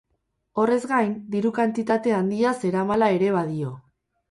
Horrez gain, diru-kantitate handia zeramala ere badio.